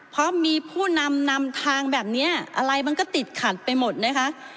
เพราะมีผู้นำนำทางแบบนี้อะไรมันก็ติดขัดไปหมดนะคะ